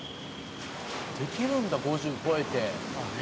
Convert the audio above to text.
「できるんだ５０超えて」